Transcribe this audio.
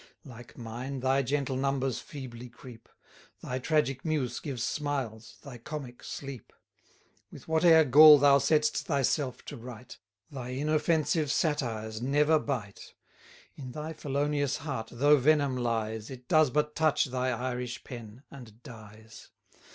Like mine, thy gentle numbers feebly creep; Thy tragic muse gives smiles, thy comic sleep. With whate'er gall thou sett'st thyself to write, Thy inoffensive satires never bite. 200 In thy felonious heart though venom lies, It does but touch thy Irish pen, and dies.